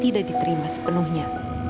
tidak diterima sepenuhnya